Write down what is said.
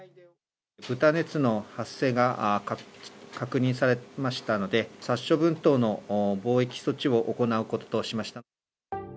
豚熱の発生が確認されましたので、殺処分等の防疫措置を行うことといたしました。